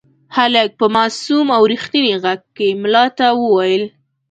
هلک په معصوم او رښتیني غږ کې ملا ته وویل.